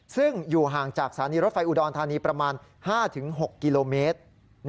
ซึ่งอยู่ห่างจากสถานีรถไฟอุดรธานีประมาณ๕๖กิโลเมตร